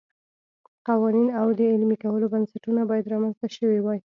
قوانین او د عملي کولو بنسټونه باید رامنځته شوي وای.